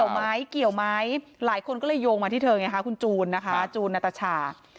ว่าเกี่ยวไหมเกี่ยวไหมหลายคนก็เลยโยงมาที่เธอเนี่ยค่ะคุณจูนนะคะจูนนัตชา